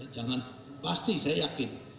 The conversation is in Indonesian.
jangan pasti saya yakin